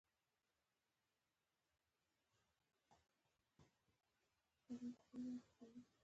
هولمز پوښتنه وکړه چې ایا کومه ښځه په کې وه